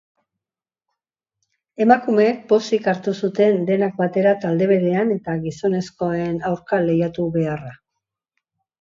Emakumeek pozik hartu zuten denak batera talde berean eta gizonezkoen aurka lehiatu beharra.